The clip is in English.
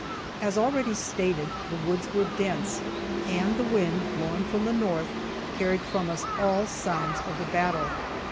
As already stated, the woods were dense, and the wind blowing from the north carried from us all sounds of the battle.